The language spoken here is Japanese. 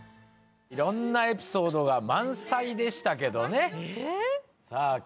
色んなエピソードが満載でしたけどねさあ